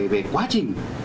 về quá trình